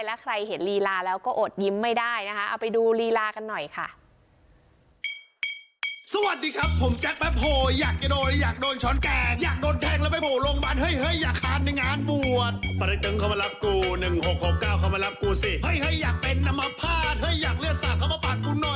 และใครเห็นลีลาแล้วก็อดยิ้มไม่ได้นะคะเอาไปดูลีลากันหน่อยค่ะ